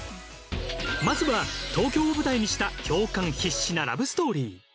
まずは東京を舞台にした共感必至なラブストーリー。